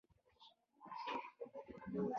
هغه افسر ډېر غوسه و چې ټنډه یې ماته شوې وه